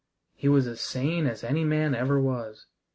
He was as sane as any man ever was.